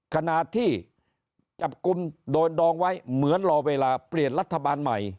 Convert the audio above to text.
ขณะที่จับกลุ่มโดนดองไว้เหมือนรอเวลาเปลี่ยนรัฐบาลใหม่